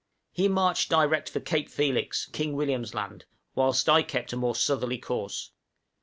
He marched direct for Cape Felix, King William's Land, whilst I kept a more southerly course.